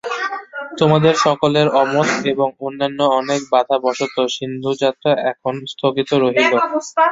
তোমাদের সকলের অমত এবং অন্যান্য অনেক বাধাবশত সিন্ধুযাত্রা এখন স্থগিত রহিল।